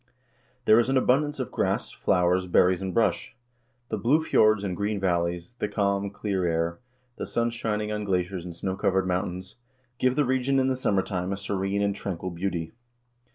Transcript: There is an abundance of grass, flowers, berries, and brush. The blue fjords and green valleys, the calm, clear air, the sun shining on glaciers and snow covered mountains, give the region in the summertime a serene and tranquil beauty.